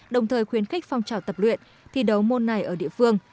đồng thời khuyến khích phong trào tập luyện thi đấu môn này ở địa phương